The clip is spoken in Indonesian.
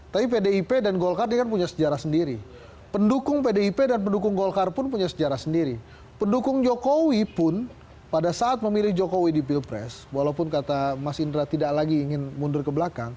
tapi pdip dan golkar ini kan punya sejarah sendiri pendukung pdip dan pendukung golkar pun punya sejarah sendiri pendukung jokowi pun pada saat memilih jokowi di pilpres walaupun kata mas indra tidak lagi ingin mundur ke belakang